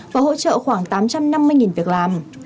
và hỗ trợ khoảng tám trăm năm mươi việc làm